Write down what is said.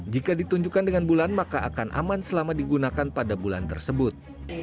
jika ditunjukkan dengan bulan maka akan aman selama digunakan pada bulan tersebut